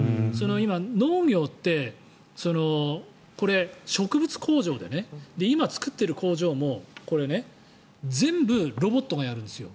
今、農業ってこれ、植物工場でね今、作っている工場も全部ロボットがやるんですよ。